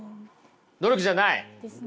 努力じゃない。